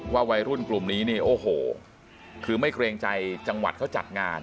วัยรุ่นกลุ่มนี้นี่โอ้โหคือไม่เกรงใจจังหวัดเขาจัดงาน